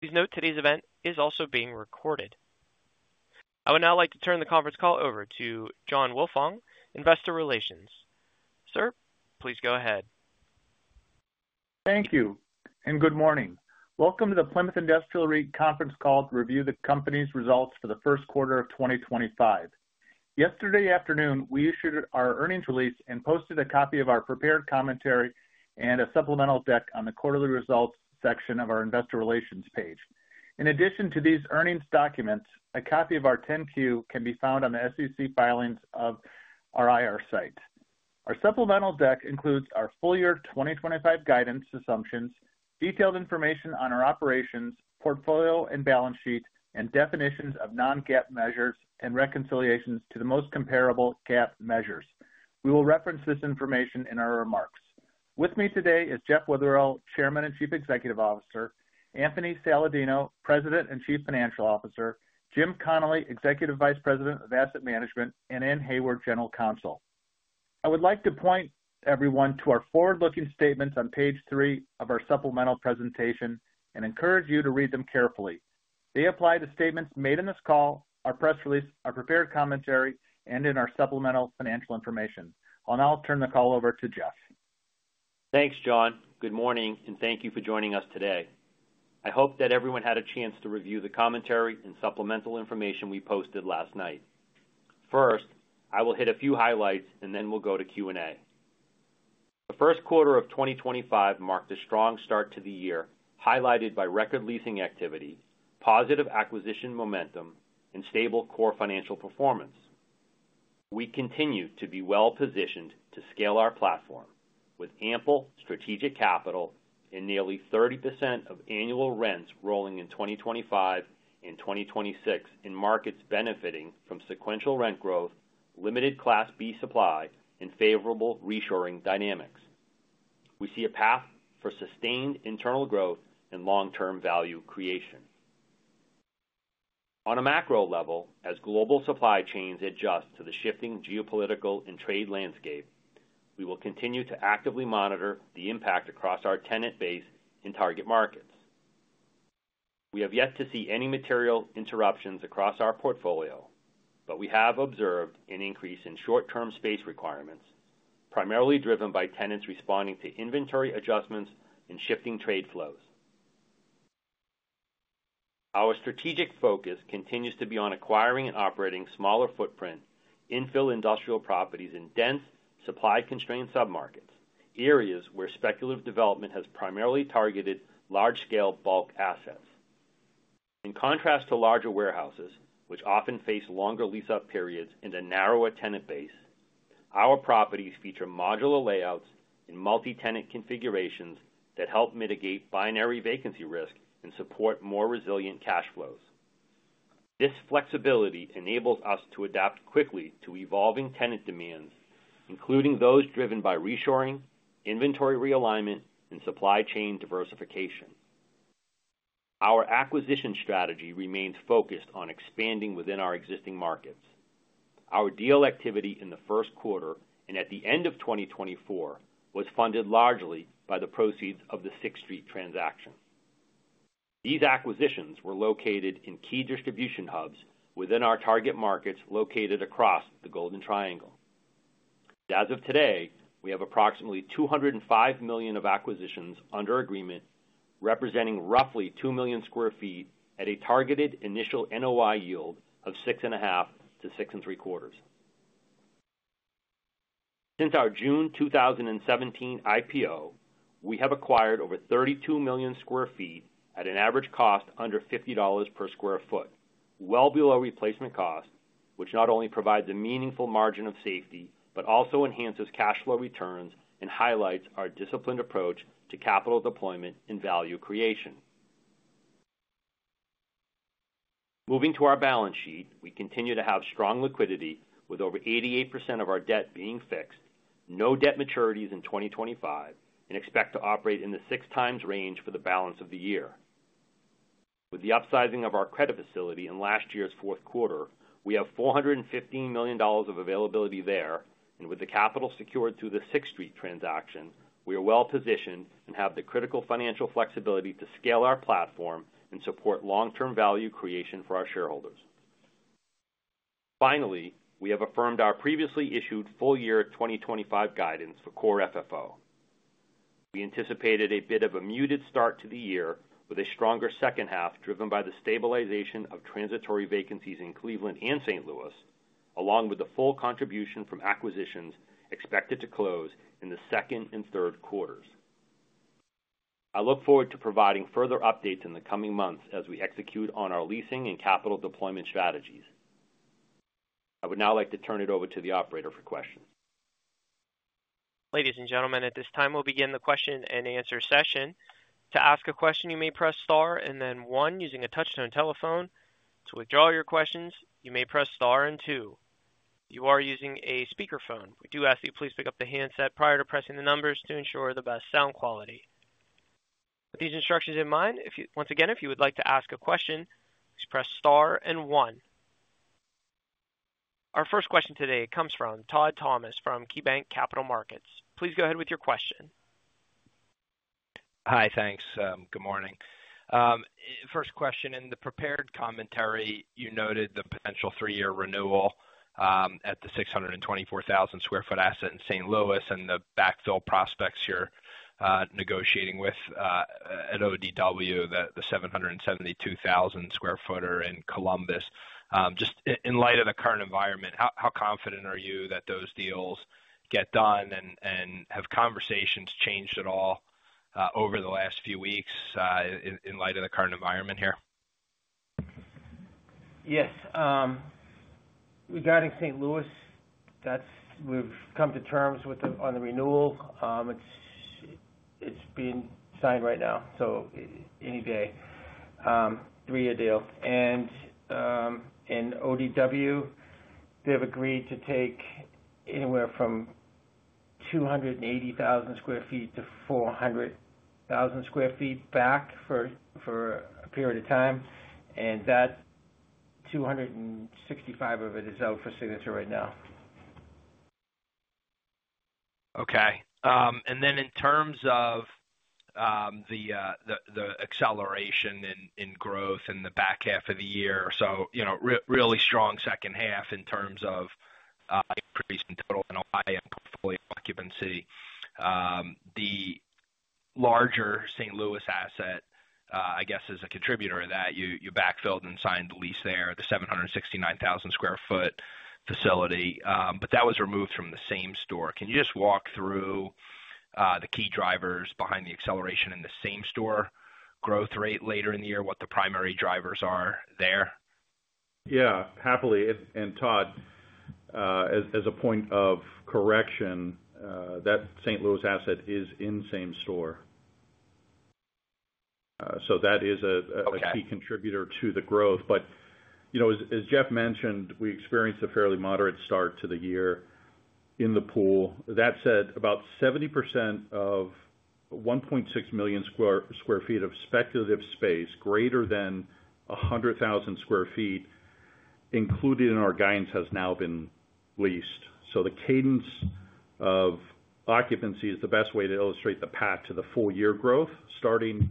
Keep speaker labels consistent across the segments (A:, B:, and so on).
A: Please note today's event is also being recorded. I would now like to turn the Conference Call over to John Wilfong, Investor Relations. Sir, please go ahead.
B: Thank you, and good morning. Welcome to the Plymouth Industrial REIT Conference Call to review the company's results for the first quarter of 2025. Yesterday afternoon, we issued our earnings release and posted a copy of our prepared commentary and a supplemental deck on the quarterly results section of our Investor Relations page. In addition to these earnings documents, a copy of our 10-Q can be found on the SEC filings of our IR site. Our supplemental deck includes our full year 2025 guidance assumptions, detailed information on our operations, portfolio and balance sheet, and definitions of non-GAAP measures and reconciliations to the most comparable GAAP measures. We will reference this information in our remarks. With me today is Jeff Witherell, Chairman and Chief Executive Officer; Anthony Saladino, President and Chief Financial Officer; Jim Connolly, Executive Vice President of Asset Management; and Anne Hayward, General Counsel. I would like to point everyone to our forward-looking statements on page three of our supplemental presentation and encourage you to read them carefully. They apply to statements made in this call, our press release, our prepared commentary, and in our supplemental financial information. I'll now turn the call over to Jeff.
C: Thanks, John. Good morning, and thank you for joining us today. I hope that everyone had a chance to review the commentary and supplemental information we posted last night. First, I will hit a few highlights, and then we'll go to Q&A. The first quarter of 2025 marked a strong start to the year, highlighted by record-leasing activity, positive acquisition momentum, and stable core financial performance. We continue to be well-positioned to scale our platform with ample strategic capital and nearly 30% of annual rents rolling in 2025 and 2026, and markets benefiting from sequential rent growth, limited Class B supply, and favorable reshoring dynamics. We see a path for sustained internal growth and long-term value creation. On a macro level, as global supply chains adjust to the shifting geopolitical and trade landscape, we will continue to actively monitor the impact across our tenant base and target markets. We have yet to see any material interruptions across our portfolio, but we have observed an increase in short-term space requirements, primarily driven by tenants responding to inventory adjustments and shifting trade flows. Our strategic focus continues to be on acquiring and operating smaller footprint infill industrial properties in dense, supply-constrained submarkets, areas where speculative development has primarily targeted large-scale bulk assets. In contrast to larger warehouses, which often face longer lease-up periods and a narrower tenant base, our properties feature modular layouts and multi-tenant configurations that help mitigate binary vacancy risk and support more resilient cash flows. This flexibility enables us to adapt quickly to evolving tenant demands, including those driven by reshoring, inventory realignment, and supply chain diversification. Our acquisition strategy remains focused on expanding within our existing markets. Our deal activity in the first quarter and at the end of 2024 was funded largely by the proceeds of the Sixth Street transaction. These acquisitions were located in key distribution hubs within our target markets located across the Golden Triangle. As of today, we have approximately $205 million of acquisitions under agreement, representing roughly 2 million sq ft at a targeted initial NOI yield of 6.5%-6.75%. Since our June 2017 IPO, we have acquired over 32 million sq ft at an average cost under $50 per sq ft, well below replacement cost, which not only provides a meaningful margin of safety but also enhances cash flow returns and highlights our disciplined approach to capital deployment and value creation. Moving to our balance sheet, we continue to have strong liquidity, with over 88% of our debt being fixed, no debt maturities in 2025, and expect to operate in the six-times range for the balance of the year. With the upsizing of our credit facility in last year's fourth quarter, we have $415 million of availability there, and with the capital secured through the Sixth Street transaction, we are well-positioned and have the critical financial flexibility to scale our platform and support long-term value creation for our shareholders. Finally, we have affirmed our previously issued full year 2025 guidance for core FFO. We anticipated a bit of a muted start to the year, with a stronger second half driven by the stabilization of transitory vacancies in Cleveland and St. Louis, along with the full contribution from acquisitions expected to close in the second and third quarters. I look forward to providing further updates in the coming months as we execute on our leasing and capital deployment strategies. I would now like to turn it over to the operator for questions.
A: Ladies and gentlemen, at this time, we'll begin the question and answer session. To ask a question, you may press Star and then One using a touch-tone telephone. To withdraw your questions, you may press Star and Two. If you are using a speakerphone, we do ask that you please pick up the handset prior to pressing the numbers to ensure the best sound quality. With these instructions in mind, once again, if you would like to ask a question, please press Star and One. Our first question today comes from Todd Thomas from KeyBanc Capital Markets. Please go ahead with your question.
D: Hi, thanks. Good morning. First question, in the prepared commentary, you noted the potential three-year renewal at the 624,000 sq ft asset in St. Louis and the backfill prospects you're negotiating with at ODW, the 772,000 sq ft in Columbus. Just in light of the current environment, how confident are you that those deals get done and have conversations changed at all over the last few weeks in light of the current environment here?
C: Yes. Regarding St. Louis, we've come to terms on the renewal. It's being signed right now, so any day. Three-year deal. In ODW, they've agreed to take anywhere from 280,000 sq ft to 400,000 sq ft back for a period of time, and that 265,000 of it is out for signature right now.
D: Okay. In terms of the acceleration in growth in the back half of the year, really strong second half in terms of increase in total NOI and portfolio occupancy, the larger St. Louis asset, I guess, is a contributor to that. You backfilled and signed the lease there, the 769,000 sq ft facility, but that was removed from the same store. Can you just walk through the key drivers behind the acceleration in the same store growth rate later in the year, what the primary drivers are there?
E: Yeah, happily. Todd, as a point of correction, that St. Louis asset is in same store. That is a key contributor to the growth. As Jeff mentioned, we experienced a fairly moderate start to the year in the pool. That said, about 70% of 1.6 million sq ft of speculative space greater than 100,000 sq ft included in our guidance has now been leased. The cadence of occupancy is the best way to illustrate the path to the full year growth. Starting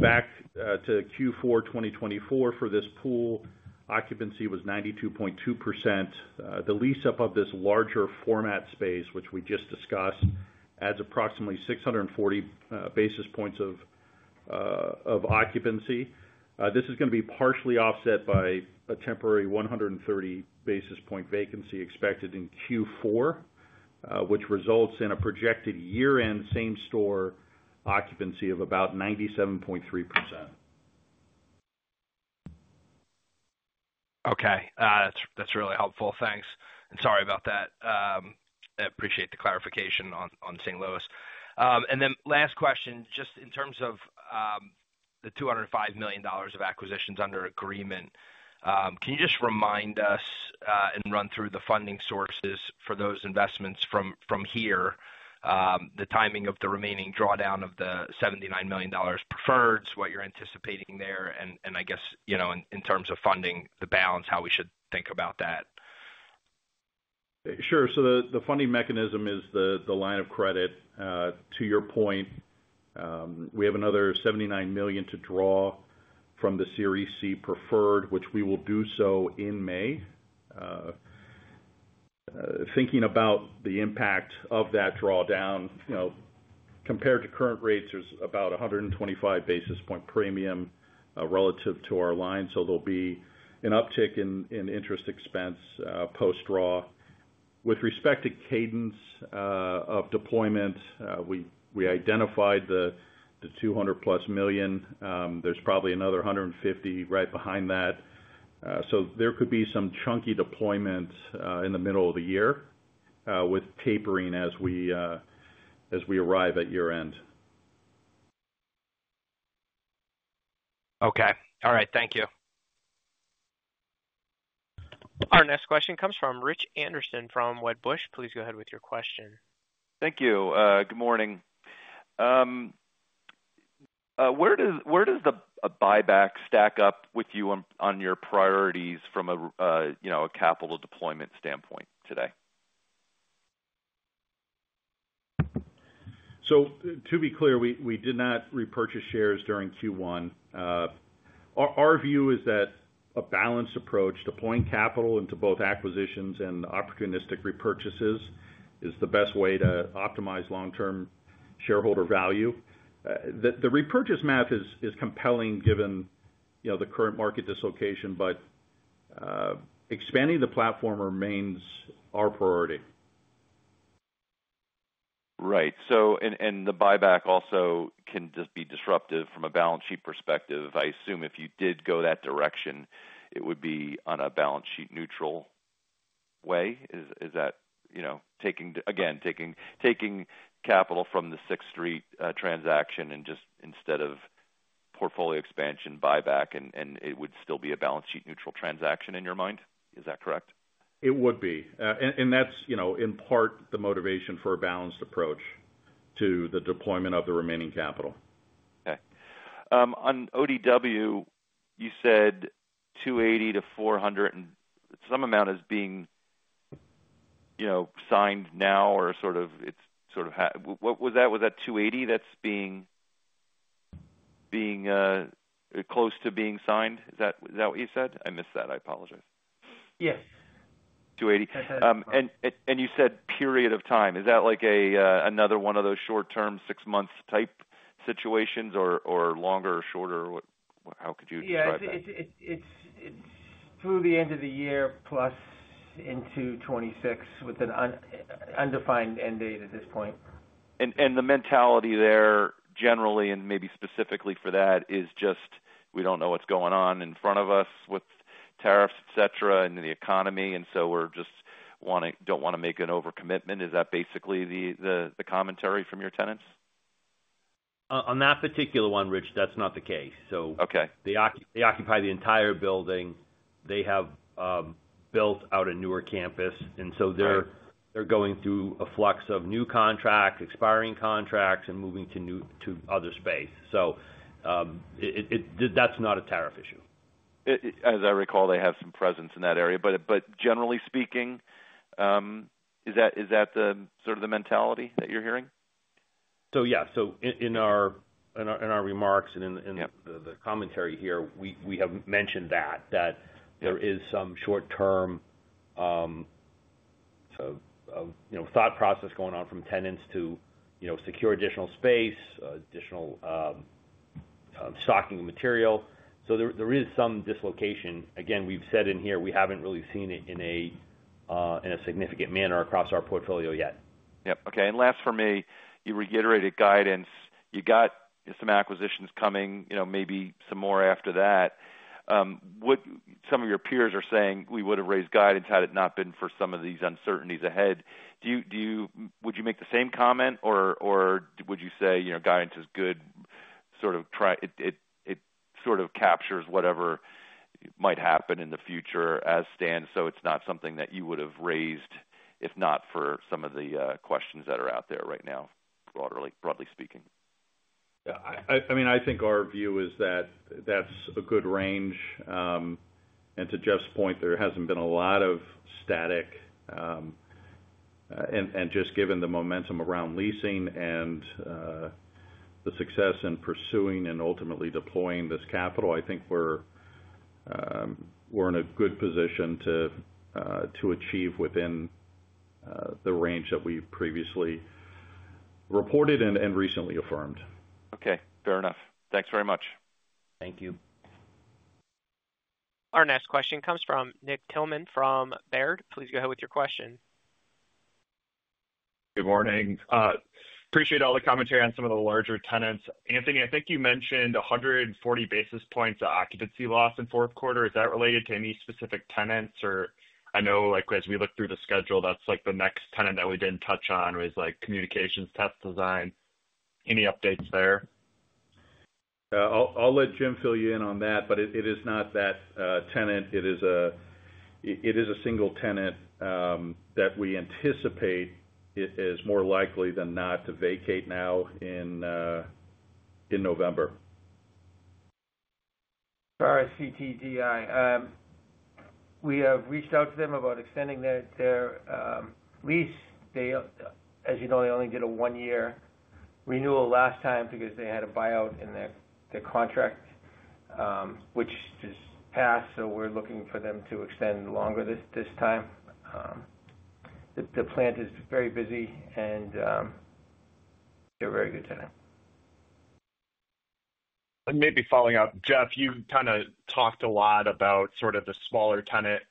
E: back to Q4 2024 for this pool, occupancy was 92.2%. The lease-up of this larger format space, which we just discussed, adds approximately 640 basis points of occupancy. This is going to be partially offset by a temporary 130 basis point vacancy expected in Q4, which results in a projected year-end same store occupancy of about 97.3%.
D: Okay. That's really helpful. Thanks. Sorry about that. I appreciate the clarification on St. Louis. Last question, just in terms of the $205 million of acquisitions under agreement, can you just remind us and run through the funding sources for those investments from here, the timing of the remaining drawdown of the $79 million preferred, what you're anticipating there, and I guess in terms of funding, the balance, how we should think about that?
E: Sure. The funding mechanism is the line of credit. To your point, we have another $79 million to draw from the Series C preferred, which we will do so in May. Thinking about the impact of that drawdown, compared to current rates, there is about a 125 basis point premium relative to our line, so there will be an uptick in interest expense post-draw. With respect to cadence of deployment, we identified the $200-plus million. There is probably another $150 million right behind that. There could be some chunky deployment in the middle of the year with tapering as we arrive at year-end.
D: Okay. All right. Thank you.
A: Our next question comes from Rich Anderson from Wedbush. Please go ahead with your question.
F: Thank you. Good morning. Where does the buyback stack up with you on your priorities from a capital deployment standpoint today?
E: To be clear, we did not repurchase shares during Q1. Our view is that a balanced approach, deploying capital into both acquisitions and opportunistic repurchases, is the best way to optimize long-term shareholder value. The repurchase math is compelling given the current market dislocation, but expanding the platform remains our priority.
F: Right. The buyback also can just be disruptive from a balance sheet perspective. I assume if you did go that direction, it would be on a balance sheet neutral way. Again, taking capital from the Sixth Street transaction and just instead of portfolio expansion, buyback, and it would still be a balance sheet neutral transaction in your mind. Is that correct?
E: It would be. That is in part the motivation for a balanced approach to the deployment of the remaining capital.
F: Okay. On ODW, you said 280-400 and some amount is being signed now or sort of what was that? Was that 280 that's being close to being signed? Is that what you said? I missed that. I apologize.
E: Yes.
F: 280. You said period of time. Is that like another one of those short-term six-month type situations or longer or shorter? How could you describe that?
G: Yeah. It's through the end of the year plus into 2026 with an undefined end date at this point.
F: The mentality there generally and maybe specifically for that is just we do not know what is going on in front of us with tariffs, etc., and the economy, and so we do not want to make an overcommitment. Is that basically the commentary from your tenants?
C: On that particular one, Rich, that's not the case. They occupy the entire building. They have built out a newer campus, and they are going through a flux of new contracts, expiring contracts, and moving to other space. That is not a tariff issue.
F: As I recall, they have some presence in that area. Generally speaking, is that sort of the mentality that you're hearing?
C: Yeah. In our remarks and in the commentary here, we have mentioned that there is some short-term thought process going on from tenants to secure additional space, additional stocking of material. There is some dislocation. Again, we've said in here we haven't really seen it in a significant manner across our portfolio yet.
F: Yep. Okay. Last for me, you reiterated guidance. You got some acquisitions coming, maybe some more after that. Some of your peers are saying, "We would have raised guidance had it not been for some of these uncertainties ahead." Would you make the same comment, or would you say guidance is good? It sort of captures whatever might happen in the future as it stands, so it's not something that you would have raised if not for some of the questions that are out there right now, broadly speaking.
E: Yeah. I mean, I think our view is that that's a good range. To Jeff's point, there hasn't been a lot of static. Just given the momentum around leasing and the success in pursuing and ultimately deploying this capital, I think we're in a good position to achieve within the range that we previously reported and recently affirmed.
F: Okay. Fair enough. Thanks very much.
C: Thank you.
A: Our next question comes from Nick Thillman from Baird. Please go ahead with your question.
H: Good morning. Appreciate all the commentary on some of the larger tenants. Anthony, I think you mentioned 140 basis points of occupancy loss in fourth quarter. Is that related to any specific tenants? Or I know as we looked through the schedule, that's the next tenant that we didn't touch on was Communications Test Design. Any updates there?
E: I'll let Jim fill you in on that, but it is not that tenant. It is a single tenant that we anticipate is more likely than not to vacate now in November.
G: CTDI. We have reached out to them about extending their lease. As you know, they only did a one-year renewal last time because they had a buyout in their contract, which just passed, so we're looking for them to extend longer this time. The plant is very busy, and they're a very good tenant.
H: Maybe following up, Jeff, you kind of talked a lot about sort of the smaller tenant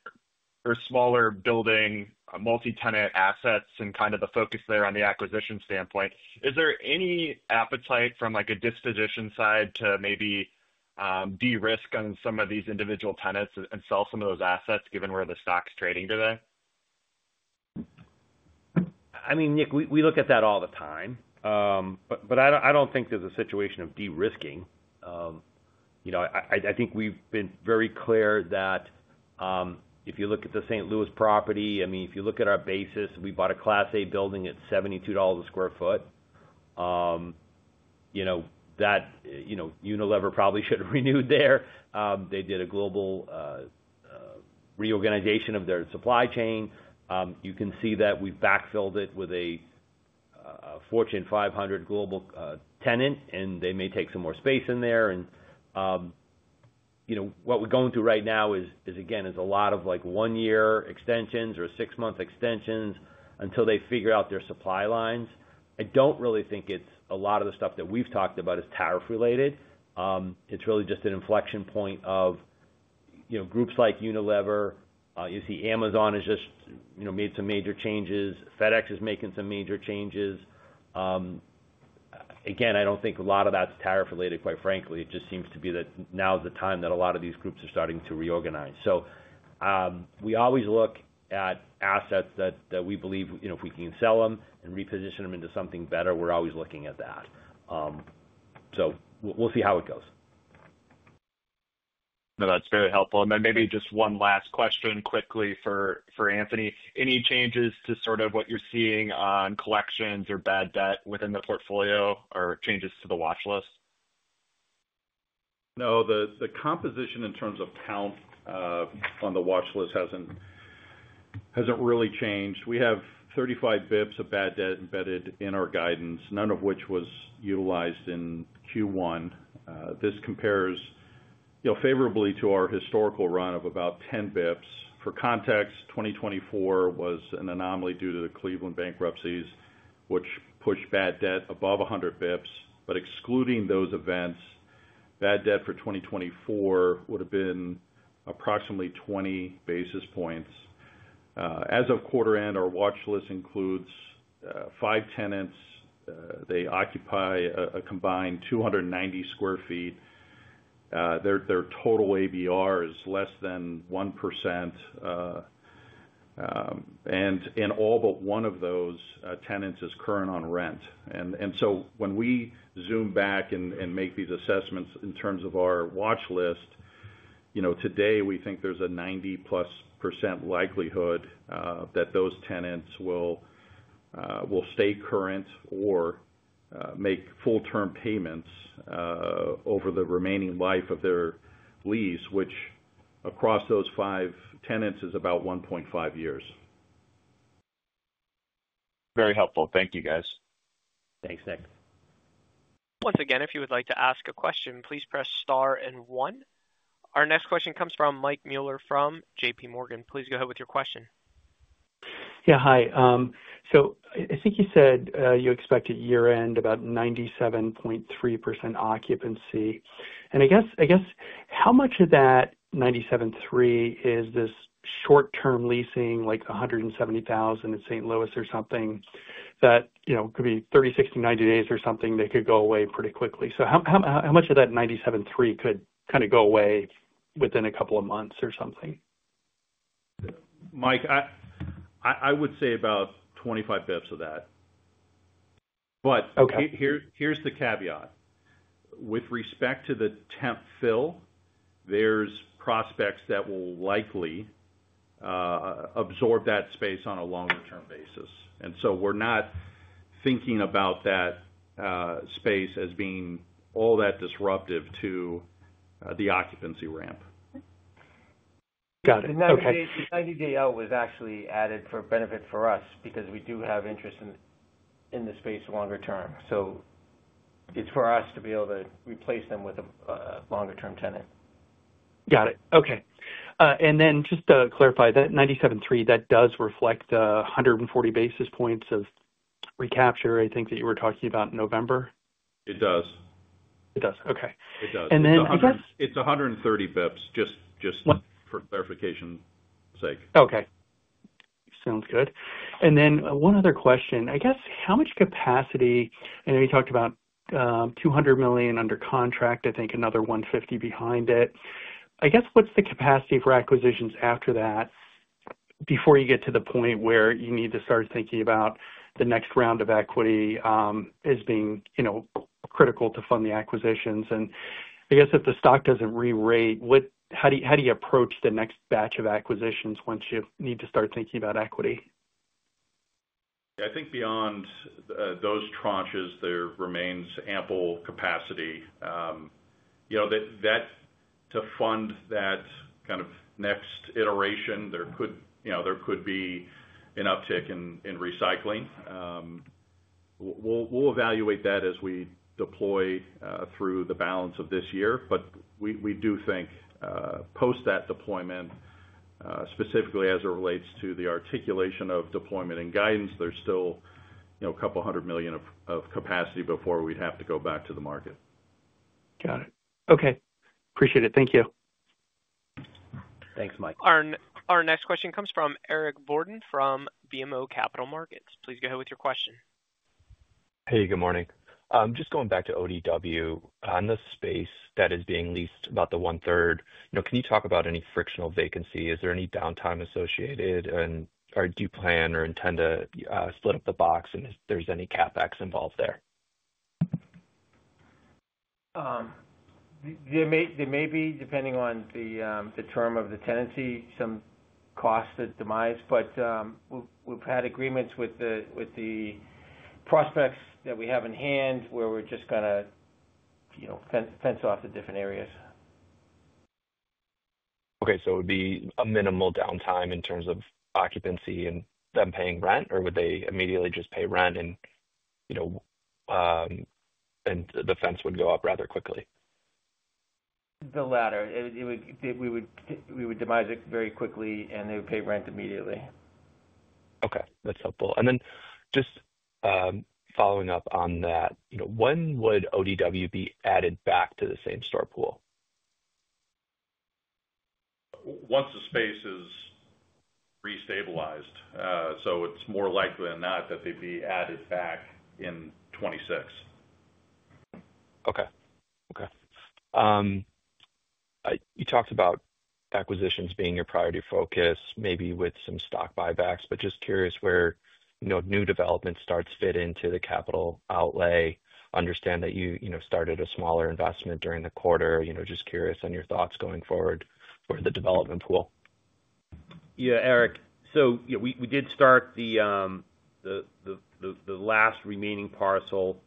H: or smaller building, multi-tenant assets and kind of the focus there on the acquisition standpoint. Is there any appetite from a disposition side to maybe de-risk on some of these individual tenants and sell some of those assets given where the stock's trading today?
C: I mean, Nick, we look at that all the time, but I don't think there's a situation of de-risking. I think we've been very clear that if you look at the St. Louis property, I mean, if you look at our basis, we bought a Class A building at $72 a sq ft. That Unilever probably should have renewed there. They did a global reorganization of their supply chain. You can see that we've backfilled it with a Fortune 500 global tenant, and they may take some more space in there. What we're going through right now is, again, a lot of one-year extensions or six-month extensions until they figure out their supply lines. I don't really think a lot of the stuff that we've talked about is tariff-related. It's really just an inflection point of groups like Unilever. You see, Amazon has just made some major changes. FedEx is making some major changes. I don't think a lot of that's tariff-related, quite frankly. It just seems to be that now's the time that a lot of these groups are starting to reorganize. We always look at assets that we believe if we can sell them and reposition them into something better, we're always looking at that. We'll see how it goes.
H: No, that's very helpful. Maybe just one last question quickly for Anthony. Any changes to sort of what you're seeing on collections or bad debt within the portfolio or changes to the watch list?
E: No. The composition in terms of count on the watch list has not really changed. We have 35 basis points of bad debt embedded in our guidance, none of which was utilized in Q1. This compares favorably to our historical run of about 10 basis points. For context, 2024 was an anomaly due to the Cleveland bankruptcies, which pushed bad debt above 100 basis points. Excluding those events, bad debt for 2024 would have been approximately 20 basis points. As of quarter end, our watch list includes five tenants. They occupy a combined 290 sq ft. Their total ABR is less than 1%. In all but one of those tenants, rent is current. When we zoom back and make these assessments in terms of our watch list, today, we think there's a 90+% likelihood that those tenants will stay current or make full-term payments over the remaining life of their lease, which across those five tenants is about 1.5 years.
H: Very helpful. Thank you, guys.
C: Thanks, Nick.
A: Once again, if you would like to ask a question, please press star and one. Our next question comes from Mike Mueller from JPMorgan. Please go ahead with your question.
I: Yeah. Hi. I think you said you expect at year-end about 97.3% occupancy. I guess how much of that 97.3% is this short-term leasing, like 170,000 at St. Louis or something, that could be 30, 60, 90 days or something that could go away pretty quickly? How much of that 97.3% could kind of go away within a couple of months or something?
E: Mike, I would say about 25 basis points of that. Here's the caveat. With respect to the temp fill, there are prospects that will likely absorb that space on a longer-term basis. We are not thinking about that space as being all that disruptive to the occupancy ramp.
I: Got it.
G: 90-day was actually added for benefit for us because we do have interest in the space longer-term. It is for us to be able to replace them with a longer-term tenant.
I: Got it. Okay. Just to clarify, that 97.3% does reflect the 140 basis points of recapture, I think, that you were talking about in November?
E: It does.
I: It does. Okay.
E: It does.
I: I guess.
E: It's 130 basis points, just for clarification's sake.
I: Okay. Sounds good. One other question. I guess how much capacity? I know you talked about $200 million under contract, I think another $150 million behind it. I guess what's the capacity for acquisitions after that before you get to the point where you need to start thinking about the next round of equity as being critical to fund the acquisitions? I guess if the stock doesn't re-rate, how do you approach the next batch of acquisitions once you need to start thinking about equity?
E: I think beyond those tranches, there remains ample capacity. To fund that kind of next iteration, there could be an uptick in recycling. We'll evaluate that as we deploy through the balance of this year. We do think post that deployment, specifically as it relates to the articulation of deployment and guidance, there's still a couple hundred million of capacity before we'd have to go back to the market.
I: Got it. Okay. Appreciate it. Thank you.
C: Thanks, Mike.
A: Our next question comes from Eric Borden from BMO Capital Markets. Please go ahead with your question.
J: Hey, good morning. Just going back to ODW, on the space that is being leased, about the one-third, can you talk about any frictional vacancy? Is there any downtime associated? Do you plan or intend to split up the box? If there is any CapEx involved there?
G: There may be, depending on the term of the tenancy, some costs that demise. We have had agreements with the prospects that we have in hand where we are just going to fence off the different areas.
J: Okay. It would be a minimal downtime in terms of occupancy and them paying rent, or would they immediately just pay rent and the fence would go up rather quickly?
G: The latter. We would demise it very quickly, and they would pay rent immediately.
J: Okay. That's helpful. And then just following up on that, when would ODW be added back to the same store pool?
E: Once the space is re-stabilized. It is more likely than not that they'd be added back in 2026.
J: Okay. Okay. You talked about acquisitions being your priority focus, maybe with some stock buybacks, but just curious where new development starts fit into the capital outlay. Understand that you started a smaller investment during the quarter. Just curious on your thoughts going forward for the development pool.
C: Yeah, Eric. We did start the last remaining parcel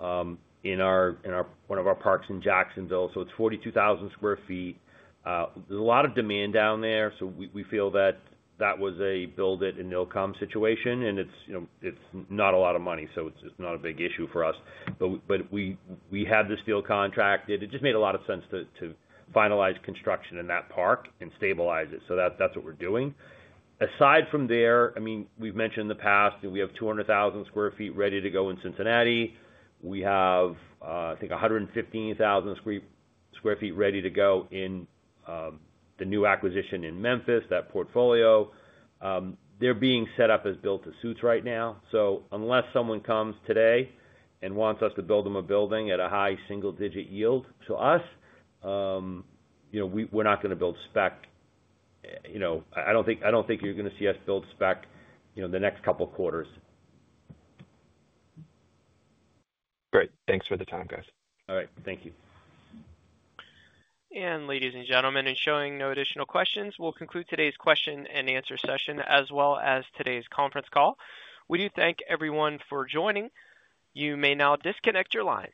C: in one of our parks in Jacksonville. It is 42,000 sq ft. There is a lot of demand down there. We feel that that was a build-it-and-no-come situation, and it is not a lot of money. It is not a big issue for us. We had this deal contracted. It just made a lot of sense to finalize construction in that park and stabilize it. That is what we are doing. Aside from there, I mean, we have mentioned in the past that we have 200,000 sq ft ready to go in Cincinnati. We have, I think, 115,000 sq ft ready to go in the new acquisition in Memphis, that portfolio. They are being set up as built-to-suits right now. Unless someone comes today and wants us to build them a building at a high single-digit yield to us, we're not going to build spec. I don't think you're going to see us build spec the next couple of quarters.
J: Great. Thanks for the time, guys.
C: All right. Thank you.
A: Ladies and gentlemen, showing no additional questions, we will conclude today's question and answer session as well as today's conference call. We do thank everyone for joining. You may now disconnect your lines.